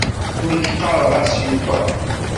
Nekk ɣɣareɣ-as Yuba.